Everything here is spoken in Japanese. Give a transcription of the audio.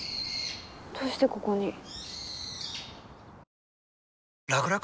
どうしてここに？